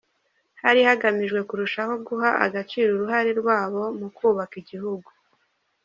Hari hagamijwe kurushaho guha agaciro uruhare rwabo mu kubaka igihugu.